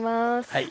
はい。